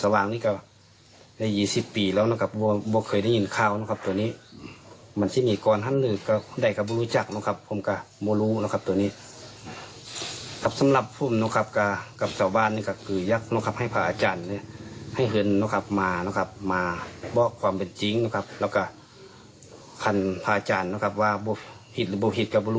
ว่าอยากให้เผยออกมามาบล็อกให้ประเภททุกคนเข้าใจ